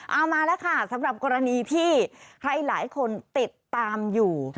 เอามาแล้วค่ะสำหรับกรณีที่ใครหลายคนติดตามอยู่